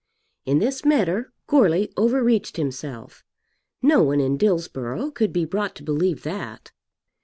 In this matter Goarly overreached himself. No one in Dillsborough could be brought to believe that.